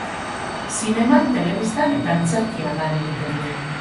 Zineman, telebistan eta antzerkian lan egiten du.